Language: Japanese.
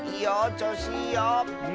ちょうしいいよ！